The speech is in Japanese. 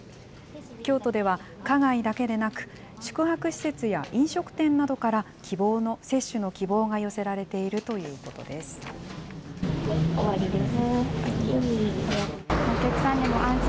京都では花街だけでなく、宿泊施設や飲食店などから接種の希望が寄せられているということ終わりです。